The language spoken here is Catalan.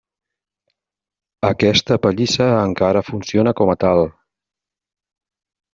Aquesta pallissa encara funciona com a tal.